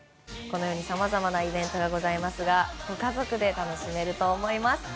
このようにさまざまなイベントがございますがご家族で楽しめると思います。